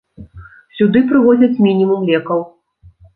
Сюды прывозяць мінімум лекаў.